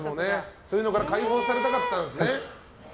そういうのから解放されたかったんですね。